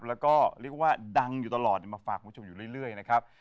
แล้วก็เรียกว่าดังอยู่ตลอดมาฝากคุณผู้ชมอยู่เรื่อยนะครับ